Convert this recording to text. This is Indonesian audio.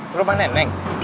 ke rumah nemeng